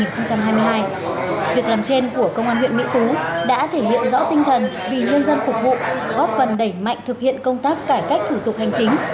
việc làm trên của công an huyện mỹ tú đã thể hiện rõ tinh thần vì nhân dân phục vụ góp phần đẩy mạnh thực hiện công tác cải cách thủ tục hành chính